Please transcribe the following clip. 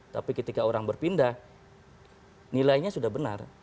tapi ketika orang berpindah nilainya sudah benar